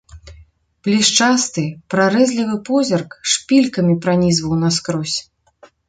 Блішчасты прарэзлівы позірк шпількамі пранізваў наскрозь.